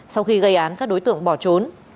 sau khi gây án các đối tượng bỏ trốn